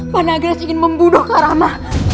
panagres ingin membunuh rama